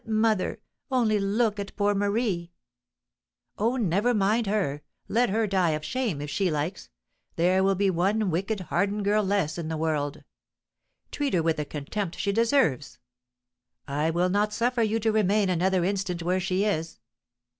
"But, mother, only look at poor Marie!" "Oh, never mind her! Let her die of shame, if she likes, there will be one wicked, hardened girl less in the world. Treat her with the contempt she deserves. I will not suffer you to remain another instant where she is.